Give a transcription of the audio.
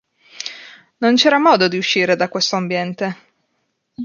Non c'era modo di uscire da questo ambiente.